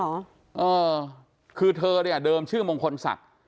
เออคือเธอเนี่ยเดิมชื่อมงคลศักดิ์